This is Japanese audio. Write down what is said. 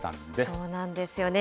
そうなんですよね。